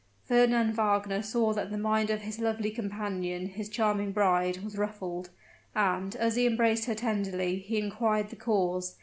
Fernand Wagner saw that the mind of his lovely companion, his charming bride, was ruffled; and, as he embraced her tenderly, he inquired the cause.